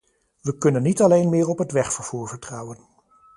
We kunnen niet alleen meer op het wegvervoer vertrouwen.